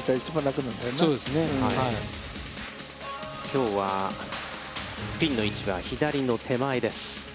きょうは、ピンの位置は左の手前です。